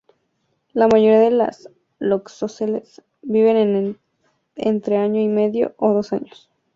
La mayoría de las "Loxosceles" viven entre año y medio y dos años.